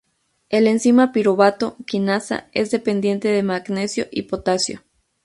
El enzima piruvato quinasa es dependiente de magnesio y potasio.